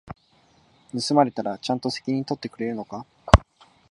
盗まれたらちゃんと責任取ってくれるのか？